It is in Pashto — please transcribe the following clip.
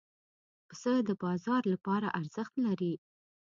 پسه د بازار لپاره ارزښت لري.